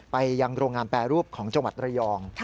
ไปยังโรงงานแปรรูปของจังหวัดระยอง